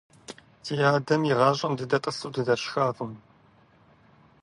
Ди адэм игъащӀэм дыдэтӀысу дыдэшхакъым.